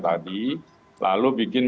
tadi lalu bikin